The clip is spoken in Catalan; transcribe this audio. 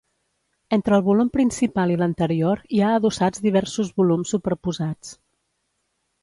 Entre el volum principal i l'anterior hi ha adossats diversos volums superposats.